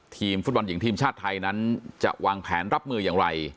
ทีมฟุตบอลหญิงทีมชาติไทยนั้นจะวางแผนรับมืออย่างไร